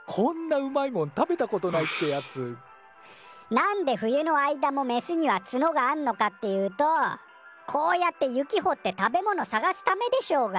なんで冬の間もメスにはツノがあんのかっていうとこうやって雪ほって食べ物探すためでしょうが。